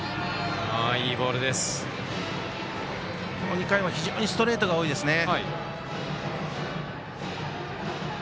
２回は非常にストレートが多いですね。